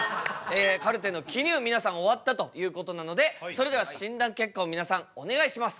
カルテの記入皆さん終わったということなのでそれでは診断結果を皆さんお願いします。